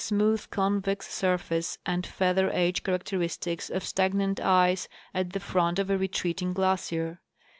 153 smooth convex surface and feather edge characteristics of stag nant ice at the front of a retreating glacier.